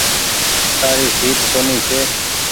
تآري سيٽ ڪونيٚ ڇي۔